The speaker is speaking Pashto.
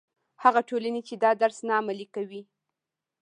هغه ټولنې چې دا درس نه عملي کوي.